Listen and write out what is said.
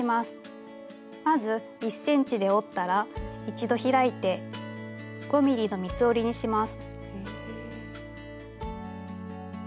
まず１ｃｍで折ったら一度開いて５ｍｍの三つ折りにします。